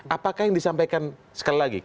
apakah yang disampaikan sekeliling